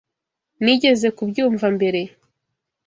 Nigeze kubyumva mbere.